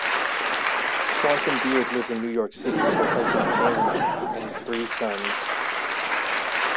Swanson Beard lives in New York City with her husband Jaime and three sons.